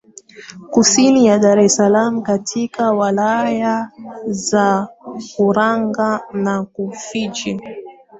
kusini ya Dar es salaam katika Wilaya za Mkuranga na Rufiji